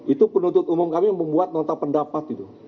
itu penuntut umum kami membuat nota pendapat